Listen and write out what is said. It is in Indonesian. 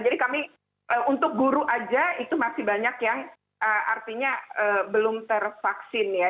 jadi kami untuk guru aja itu masih banyak yang artinya belum tervaksin ya